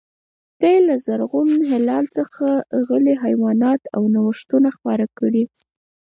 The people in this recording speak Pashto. دوی له زرغون هلال څخه غلې، حیوانات او نوښتونه خپاره کړي.